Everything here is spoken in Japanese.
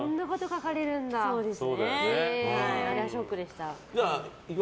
あれはショックでした。